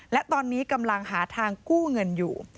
และตอนนี้กำลังหาทางกู้เงินอยู่